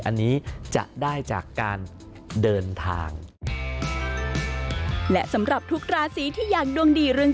อันนี้จะได้จากการเดินทาง